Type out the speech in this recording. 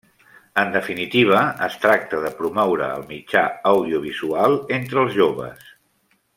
En definitiva, es tracta de promoure el mitjà audiovisual entre els joves.